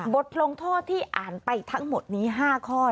บทลงโทษที่อ่านไปทั้งหมดนี้๕ข้อ